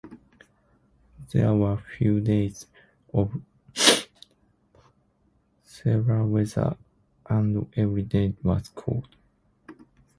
There were a few days of severe weather, and every day was cold.